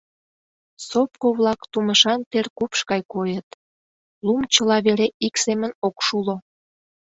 Сопко-влак тумышан теркупш гай койыт: лум чыла вере ик семын ок шуло.